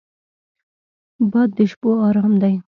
باد د شپو ارام دی